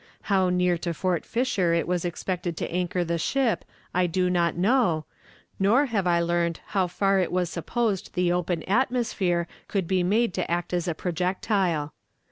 How near to Fort Fisher it was expected to anchor the ship I do not know, nor have I learned how far it was supposed the open atmosphere could be made to act as a projectile.